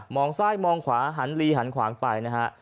องซ้ายมองขวาหันลีหันขวางไปนะฮะ